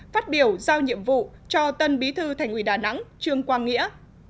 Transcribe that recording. phát biểu giao nhiệm vụ cho tân bí thư thành ủy đà nẵng trương quang nghĩa